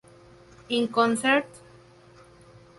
In Concert!.